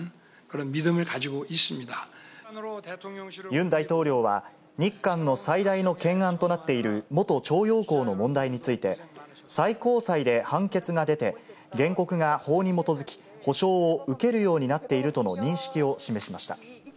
ユン大統領は、日韓の最大の懸案となっている元徴用工の問題について、最高裁で判決が出て、原告が法に基づき、補償を受けるようになっているとの認識を示しました。